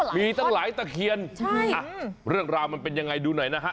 มีตั้งหลายตะเคียนเรื่องราวมันเป็นยังไงดูหน่อยนะฮะ